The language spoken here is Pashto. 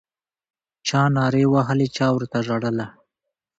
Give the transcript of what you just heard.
چا نارې وهلې چا ورته ژړله